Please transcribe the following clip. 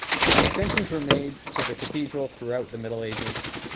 Extensions were made to the cathedral throughout the Middle Ages.